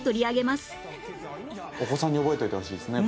お子さんに覚えておいてほしいですね